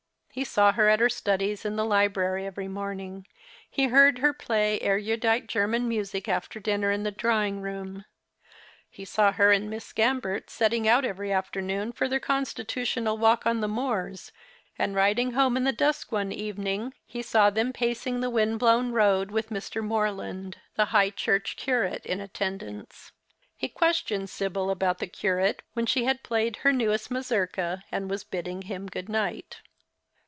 He saw her at her studies in the library every morning ; he heard her play erudite German music after dinner in the drawing room. He saw her and ]\[iss Gambert setting out every afternoon for their constitutional walk on the moors, and riding home in the dusk one evening he saw them pacing the windblown road with :\rr. Morland, the High Chiu'ch curate, in attendance. He questioned Sibyl about the curate when she had played her newest mazurka and was bidding him good night.